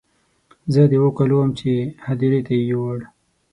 زه د اوو کالو وم چې هدیرې ته یې یووړ.